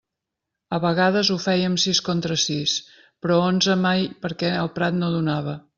A vegades ho fèiem sis contra sis, però onze mai perquè el prat no donava.